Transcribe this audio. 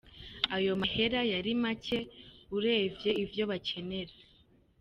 "Ayo mahera yari make uravye ivyo bakenera.